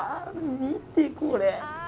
見て、これ。